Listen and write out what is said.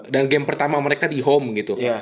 dan game pertama mereka di home gitu